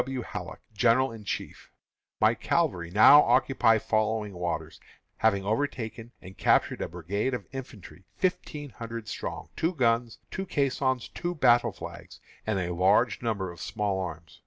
W. Halleck, General in Chief_: My cavalry now occupy Falling Waters, having overtaken and captured a brigade of infantry, fifteen hundred strong, two guns, two caissons, two battle flags, and a large number of small arms.